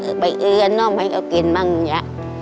อูยงน้ำให้เค้ากรินบ้างอย่างนี้